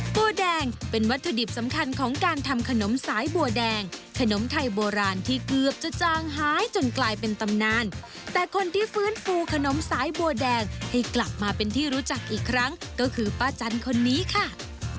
บัวแดงเป็นวัตถุดิบสำคัญของการทำขนมสายบัวแดงขนมไทยโบราณที่เกือบจะจางหายจนกลายเป็นตำนานแต่คนที่ฟื้นฟูขนมสายบัวแดงให้กลับมาเป็นที่รู้จักอีกครั้งก็คือป้าจันคนนี้ค่ะ